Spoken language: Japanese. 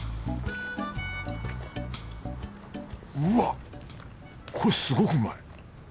うわっこれすごくうまい。